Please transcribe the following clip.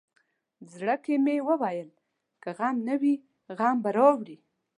زړه کې مې ویل که غم نه وي غم به راوړي.